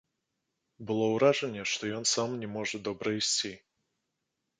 Было ўражанне, што ён сам не можа добра ісці.